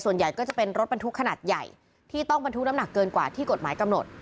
ส่วนใหญ่ก็จะเป็นรถบรรทุกขนาดใหญ่ที่ต้องบรรทุกน้ำหนักเกินกว่าที่กฎหมายกำหนด